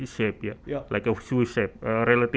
seperti bentuk sui cukup lama